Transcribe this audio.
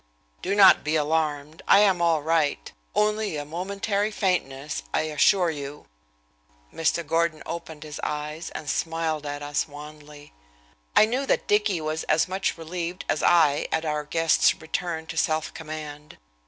"Do not be alarmed I am all right only a momentary faintness, I assure you." Mr. Gordon opened his eyes and smiled at us wanly. I knew that Dicky was as much relieved as I at our guest's return to self command.